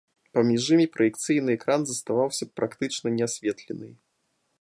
Паміж імі праекцыйны экран заставаўся б практычна неасветленай.